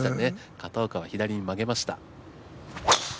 片岡は左に曲げました。